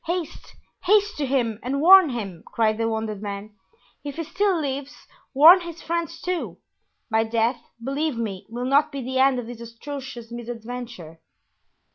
"Haste! haste to him and warn him," cried the wounded man, "if he still lives; warn his friends, too. My death, believe me, will not be the end of this atrocious misadventure."